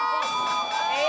え！